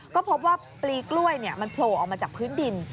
ก็พบว่าปลีกล้วยมันโผล่ออกมาจากพื้นดิน